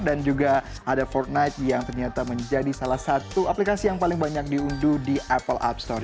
dan juga ada fortnite yang ternyata menjadi salah satu aplikasi yang paling banyak diunduh di apple app store